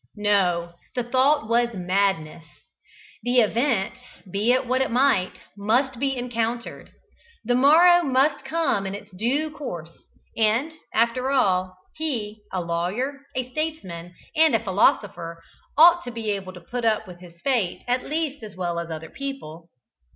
No: the thought was madness the event, be it what it might, must be encountered: the morrow must come in its due course, and, after all, he, a lawyer, a statesman and a philosopher, ought to be able to put up with his fate at least as well as other people.